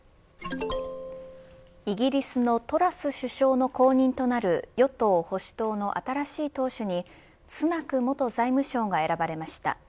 イギリスのトラス首相の後任となる与党、保守党の新しい党首にスナク元財務相が選ばれました。